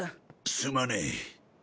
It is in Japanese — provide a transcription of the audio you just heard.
すまねぇ。